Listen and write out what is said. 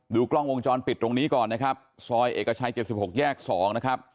กล้องวงจรปิดตรงนี้ก่อนนะครับซอยเอกชัย๗๖แยก๒นะครับ